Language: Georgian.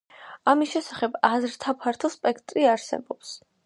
ამის შესახებ აზრთა ფართო სპექტრი არსებობს.